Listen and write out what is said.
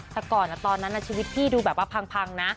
แต่ก่อนตอนนั้นชีวิตพี่ดูแบบว่าพังนะ